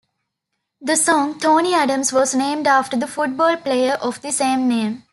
The song "Tony Adams" was named after the football player of the same name.